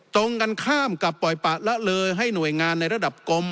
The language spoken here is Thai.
ตรงกันข้ามกับปล่อยปะละเลยให้หน่วยงานในระดับกรม